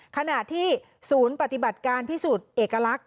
ขณะที่ศูนย์ปฏิบัติการพิสูจน์เอกลักษณ